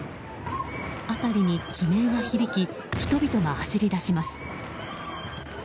辺りに悲鳴が響き人々が走り出します。